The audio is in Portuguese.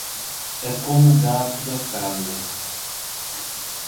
É como o gato da casa.